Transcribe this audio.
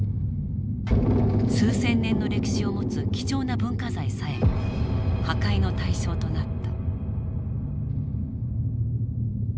数千年の歴史を持つ貴重な文化財さえも破壊の対象となった。